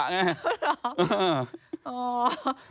เห็นหรอ